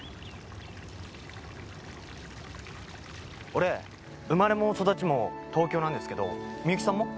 俺生まれも育ちも東京なんですけどみゆきさんも？